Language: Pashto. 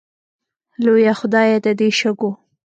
لویه خدایه د دې شګو